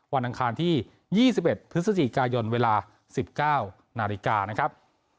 อังคารที่๒๑พฤศจิกายนเวลา๑๙นาฬิกานะครับ